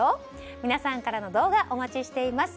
皆さんからの動画お待ちしています。